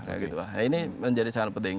nah ini menjadi sangat penting